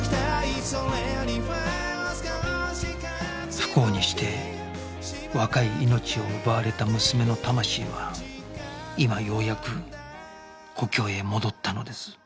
不幸にして若い命を奪われた娘の魂は今ようやく故郷へ戻ったのです